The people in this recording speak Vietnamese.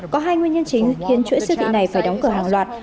có hai nguyên nhân chính khiến chuỗi siêu thị này phải đóng cửa hàng loạt